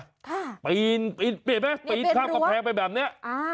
ค่ะเป็นรั้วปีนเห็นไหมปีนภาพกระแพงไปแบบนี้